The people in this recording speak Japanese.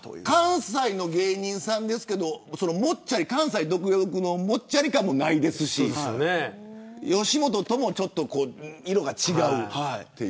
関西の芸人さんだけど関西独特のもっちゃり感もないですし吉本とも色が違う。